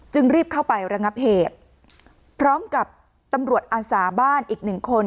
รีบเข้าไประงับเหตุพร้อมกับตำรวจอาสาบ้านอีกหนึ่งคน